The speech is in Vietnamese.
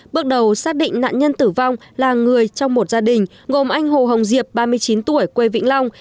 bước đầu xác định nạn nhân tử vong là người trong một gia đình gồm anh hồ hồng diệp ba mươi chín tuổi quê vĩnh long